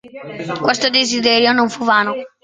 Questo desiderio non fu vano.